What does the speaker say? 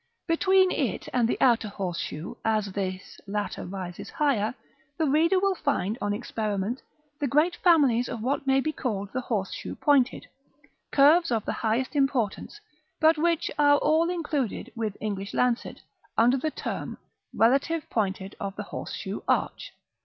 Between it and the outer horseshoe, as this latter rises higher, the reader will find, on experiment, the great families of what may be called the horseshoe pointed, curves of the highest importance, but which are all included, with English lancet, under the term, relative pointed of the horseshoe arch.